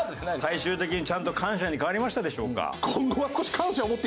最終的にちゃんと感謝に変わりましたでしょうか？